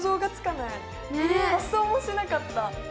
発想もしなかった。